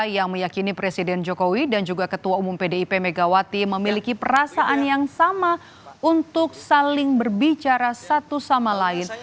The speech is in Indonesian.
yang meyakini presiden jokowi dan juga ketua umum pdip megawati memiliki perasaan yang sama untuk saling berbicara satu sama lain